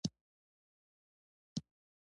په ټول هېواد کې د سور ګارډ ډلګۍ جوړې شوې.